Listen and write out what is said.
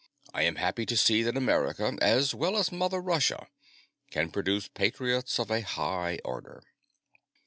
I am happy to see that America, as well as Mother Russia, can produce patriots of a high order."